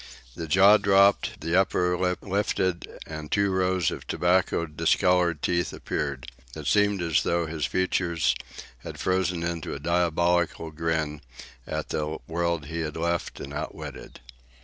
The jaw dropped, the upper lip lifted, and two rows of tobacco discoloured teeth appeared. It seemed as though his features had frozen into a diabolical grin at the world he had left and outwitted.